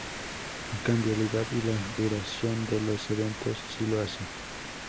En cambio, el lugar y la duración de los eventos si lo hacen.